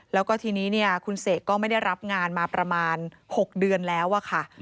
แล้วก็ทีนี้คุณเสกก็ไม่ได้รับงานมาประมาณ๖เดือนแล้วอะค่ะ